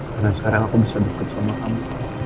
karena sekarang aku bisa deket sama kamu